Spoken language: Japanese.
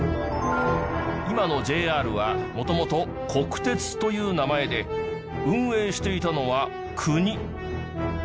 今のＪＲは元々国鉄という名前で運営していたのは国。